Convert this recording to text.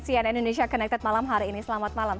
cnn indonesia connected malam hari ini selamat malam